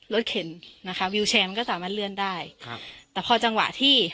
เข็นนะคะวิวแชร์มันก็สามารถเลื่อนได้ครับแต่พอจังหวะที่